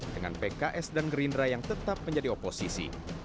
dengan pks dan gerindra yang tetap menjadi oposisi